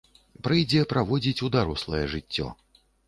Прыйдзе праводзіць у дарослае жыццё.